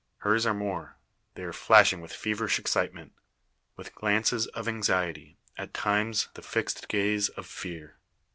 Hers are more; they are flashing with feverish excitement, with glances of anxiety at times the fixed gaze of fear.